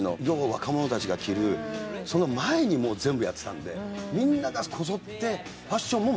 若者たちが着るその前にもう全部やってたのでみんながこぞってファッションもマネしたんですね。